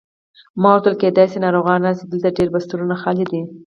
ما ورته وویل: کېدای شي ناروغان راشي، دلته ډېر بسترونه خالي دي.